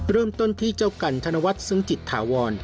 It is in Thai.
เริ่มต้นที่เจ้ากันธนวัฒนซึ้งจิตถาวร